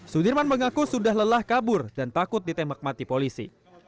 sudirman mengaku sudah lelah kabur dan takut ditembak mati polisi